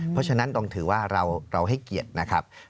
เพราะฉะนั้นต้องถือว่าเราให้เกียรตินะครับ